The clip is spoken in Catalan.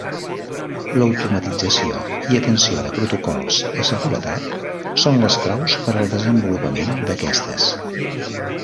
L'automatització i atenció de protocols de seguretat són les claus per al desenvolupament d'aquestes.